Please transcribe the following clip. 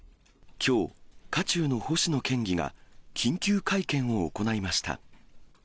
きょう、渦中の星野県議が、緊急会見を行いました。